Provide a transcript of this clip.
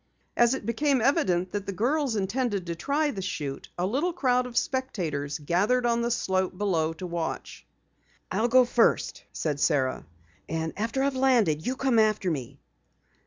As it became evident that the girls intended to try the chute, a little crowd of spectators gathered on the slope below to watch. "I'll go first," said Sara, "and after I've landed, you come after me."